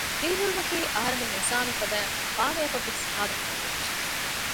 ދިރިހުރުމަކީ އަހަރެމެން އިންސާނުން ފަދައިން ފާނަޔަކަށް ވެސް ހާދަ ފޮނި އެއްޗެއް